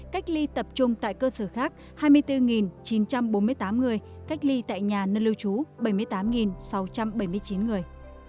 cách ly tập trung tại cơ sở khác hai mươi bốn chín trăm bốn mươi tám người cách ly tại nhà nơi lưu trú bảy mươi tám sáu trăm bảy mươi chín người